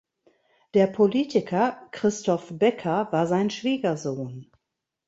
Der Politiker Christoph Becker war sein Schwiegersohn.